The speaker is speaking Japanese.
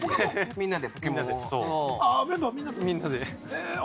みんなで。